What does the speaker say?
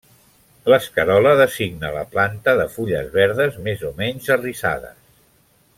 L'escarola designa la planta de fulles verdes més o menys arrissades.